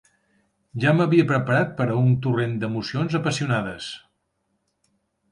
Ja m'havia preparat per a un torrent d'emocions apassionades.